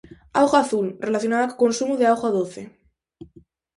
Auga azul: relacionada co consumo de auga doce.